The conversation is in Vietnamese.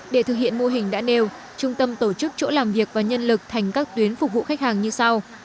để thực hiện mô hình đã nêu trung tâm tổ chức chỗ làm việc và nhân lực thành các tuyến phục vụ khách hàng như sau